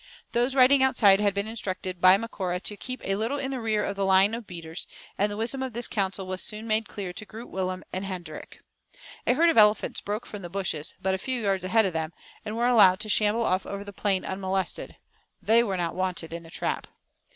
Those riding outside had been instructed by Macora to keep a little in the rear of the line of beaters; and the wisdom of this counsel was soon made clear to Groot Willem and Hendrik. A herd of elephants broke from the bushes, but a few yards ahead of them, and were allowed to shamble off over the plain unmolested. They were not wanted in the trap.